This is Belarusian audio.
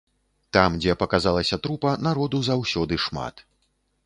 Там, дзе паказалася трупа, народу заўсёды шмат.